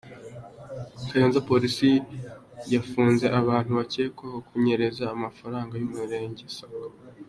Kayonza Polisi yafunze abantu bakekwaho kunyereza amafaranga y’umurenge Sako